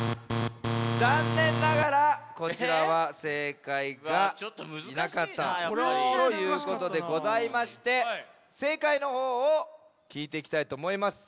ざんねんながらこちらはせいかいがいなかったということでございましてせいかいのほうをきいていきたいとおもいます。